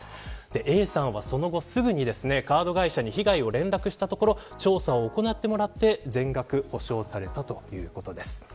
Ａさんはその後すぐにカード会社に被害を連絡したところ調査を行ってもらって全額補償されたということです。